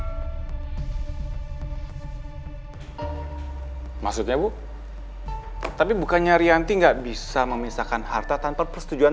yang dibayangkan pak maksudnya bu tapi bukannya rianti nggak bisa memisahkan harta tanpa persetujuan